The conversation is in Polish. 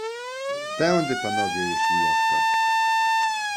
"Tędy, panowie, jeśli łaska."